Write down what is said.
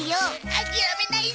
諦めないぞ！